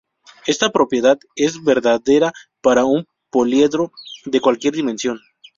Esta propiedad es verdadera para un poliedro de cualquier dimensión.